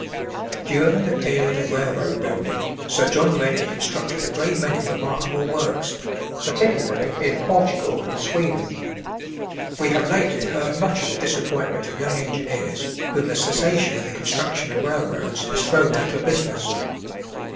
During the period of railroad building, Sir John Rennie constructed a great many remarkable works, particularly in Portugal and Sweden. We have lately heard much of the disappointment of young engineers whom the cessation in the construction of railroads has thrown out of business.